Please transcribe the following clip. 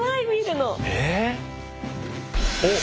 おっ。